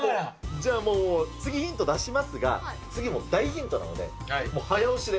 じゃあ、もう次、ヒント出しますが、次も大ヒントなので、早押しで。